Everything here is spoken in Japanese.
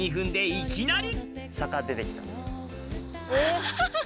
いきなり？